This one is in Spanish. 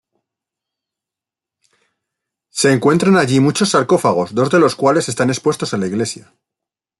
Se encuentran allí muchos sarcófagos, dos de los cuales están expuestos en la iglesia.